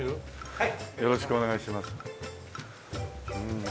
はい。